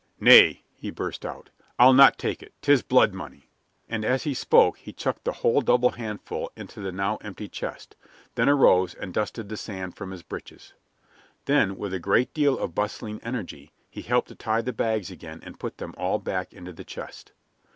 "Nay," he burst out, "I'll not take it; 'tis blood money." And as he spoke he chucked the whole double handful into the now empty chest, then arose and dusted the sand from his breeches. Then, with a great deal of bustling energy, he helped to tie the bags again and put them all back into the chest.